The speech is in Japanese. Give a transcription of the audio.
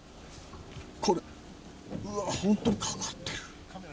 これ、うわっ、本当にかかってる。